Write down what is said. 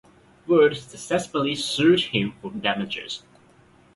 Wood successfully sued him for damages.